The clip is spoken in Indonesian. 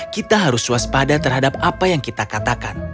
kita harus waspada terhadap apa yang kita katakan